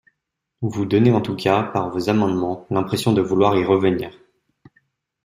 Vous donnez en tout cas, par vos amendements, l’impression de vouloir y revenir.